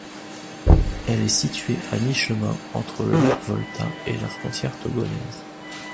Elle est située à mi-chemin entre le lac Volta et la frontière togolaise.